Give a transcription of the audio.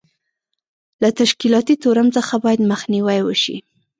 له تشکیلاتي تورم څخه باید مخنیوی وشي.